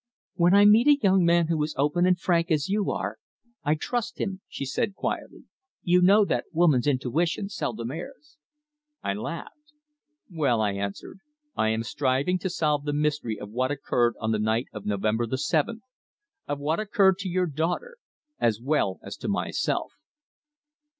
"When I meet a young man who is open and frank as you are, I trust him," she said quietly. "You know that woman's intuition seldom errs." I laughed. "Well," I answered. "I am striving to solve the mystery of what occurred on the night of November the seventh of what occurred to your daughter, as well as to myself."